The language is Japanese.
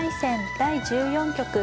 第１４局。